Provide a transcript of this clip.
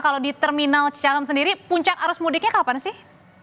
kalau di terminal cicalem sendiri puncak arus mudiknya kapan sih